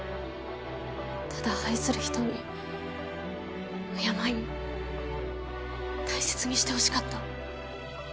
ただ愛する人に敬い大切にしてほしかった。